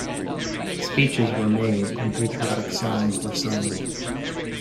Speeches were made and patriotic songs were sung.